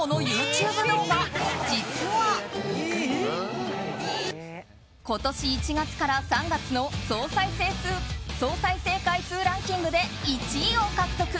このＹｏｕＴｕｂｅ動画実は、今年１月から３月の総再生回数ランキングで１位を獲得。